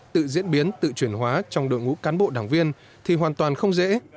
tự diễn biến tự chuyển hóa trong đội ngũ cán bộ đảng viên thì hoàn toàn không dễ